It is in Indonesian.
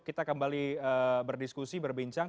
kita kembali berdiskusi berbincang